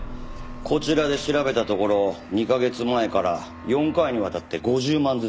こちらで調べたところ２カ月前から４回にわたって５０万ずつ。